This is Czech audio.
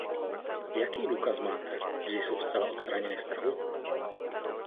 Jaký důkaz máte, že jsou zcela odstraněny z trhu?